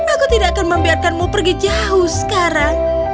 aku tidak akan membiarkanmu pergi jauh sekarang